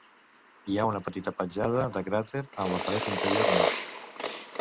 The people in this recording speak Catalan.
Hi ha una petita petjada de cràter en la paret interior nord.